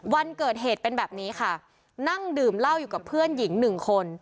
วันเกิดเหตุเป็นแบบนี้ค่ะนั่งดื่มเหล้าอยู่กับเพื่อนหญิงหนึ่งคน